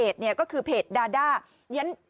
เจอเขาแล้ว